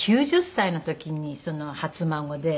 ９０歳の時に初孫で。